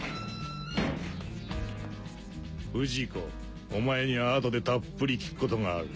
不二子お前には後でたっぷり聞くことがある。